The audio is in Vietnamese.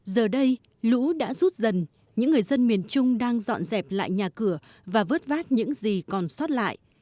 giờ đây lũ đã rút dần những người dân miền trung đang dọn dẹp lại nhà cửa và vớt vát những gì còn sót lại